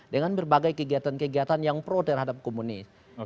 dengan berbagai kegiatan kegiatan yang pro terhadap komunis